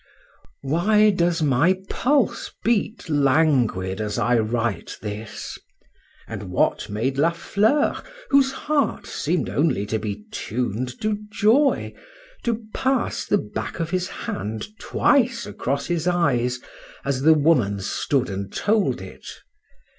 Why does my pulse beat languid as I write this? and what made La Fleur, whose heart seem'd only to be tuned to joy, to pass the back of his hand twice across his eyes, as the woman stood and told it?